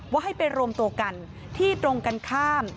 ว่าให้ไปรวมตัวกันที่ตรงกันข้าม